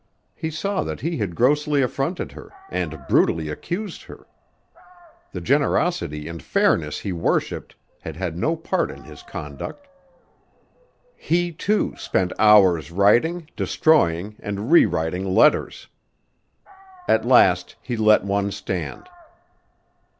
He saw that he had grossly affronted her and brutally accused her. The generosity and fairness he worshiped had had no part in his conduct. He, too, spent hours writing, destroying and rewriting letters. At last he let one stand.